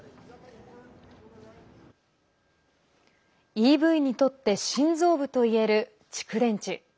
ＥＶにとって心臓部といえる蓄電池。